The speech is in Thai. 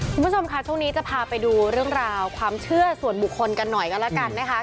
คุณผู้ชมค่ะช่วงนี้จะพาไปดูเรื่องราวความเชื่อส่วนบุคคลกันหน่อยก็แล้วกันนะคะ